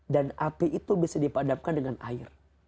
dan api itu bisa dipadamkan dengan air